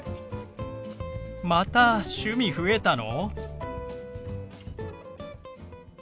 また趣味増えたの？